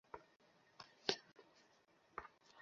মাস তিনেক হল ছেড়ে দিয়েছি।